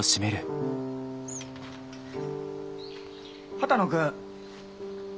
波多野君。